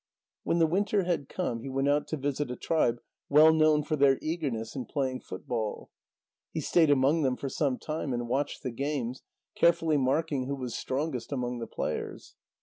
When the winter had come, he went out to visit a tribe well known for their eagerness in playing football. He stayed among them for some time, and watched the games, carefully marking who was strongest among the players.